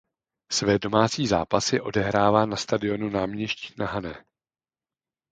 Své domácí zápasy odehrává na stadionu Náměšť na Hané.